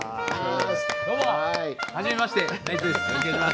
どうもはじめましてナイツです。